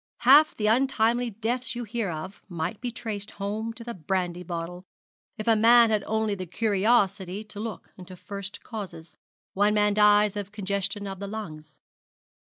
Half the untimely deaths you hear of might be traced home to the brandy bottle, if a man had only the curiosity to look into first causes. One man dies of congestion of the lungs.